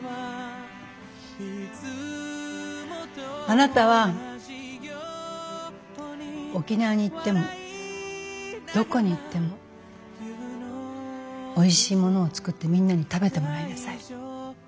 あなたは沖縄に行ってもどこに行ってもおいしいものを作ってみんなに食べてもらいなさい。